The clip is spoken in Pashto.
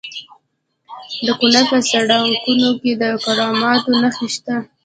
د کونړ په سرکاڼو کې د کرومایټ نښې شته.